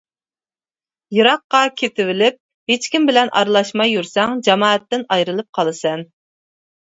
يىراققا كېتىۋېلىپ، ھېچكىم بىلەن ئارىلاشماي يۈرسەڭ جامائەتتىن ئايرىلىپ قالىسەن.